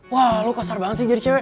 wah lo kasar banget sih jadi cewek